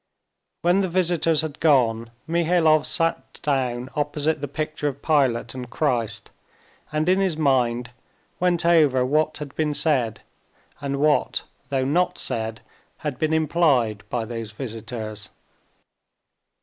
When the visitors had gone, Mihailov sat down opposite the picture of Pilate and Christ, and in his mind went over what had been said, and what, though not said, had been implied by those visitors.